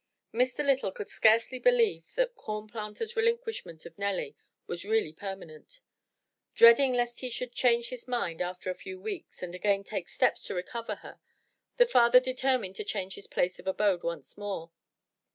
Mr. Lytle could scarcely believe that Corn Planter's relin quishment of Nelly was really permanent. Dreading lest he should change his mind after a few weeks and again take steps to recover her, the father determined to change his place of abode once more.